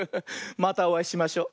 またおあいしましょ。